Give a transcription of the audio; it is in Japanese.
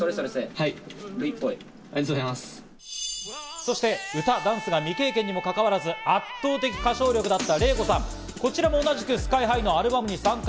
そして歌、ダンスが未経験にもかかわらず圧倒的歌唱力だったＲＥＩＫＯさん、こちらも同じくＳＫＹ−ＨＩのアルバムに参加。